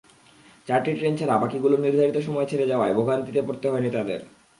চারটি ট্রেন ছাড়া বাকিগুলো নির্ধারিত সময়ে ছেড়ে যাওয়ায় ভোগান্তিতে পড়তে হয়নি তাঁদের।